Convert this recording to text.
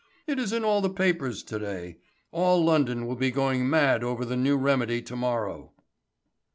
It is in all the papers to day. All London will be going mad over the new remedy to morrow."